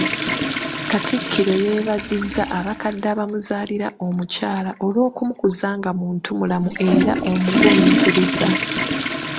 Kattikiro yeebazizza abakadde abamuzaalira omukyala olw’okumukuza nga muntu mulamu era omugumiikiriza.